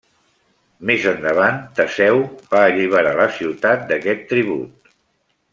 Més endavant, Teseu va alliberar la ciutat d'aquest tribut.